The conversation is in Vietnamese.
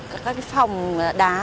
các cái phòng đá